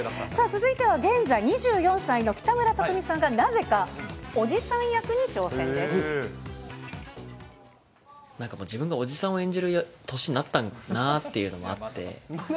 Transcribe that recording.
さあ、続いては現在２４歳の北村匠海さんが、なぜかおじさん役に挑戦でなんかもう、自分がおじさんを演じる年になったんだなぁーというのもあって。